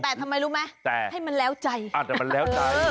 แต่ทำไมรู้มั้ยให้มันแล้วใจอาจจะมันแล้วใจ